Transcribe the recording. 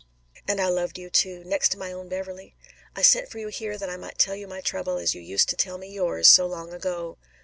"And I loved you, too next to my own Beverley. I sent for you here that I might tell you my trouble as you used to tell me yours so long ago.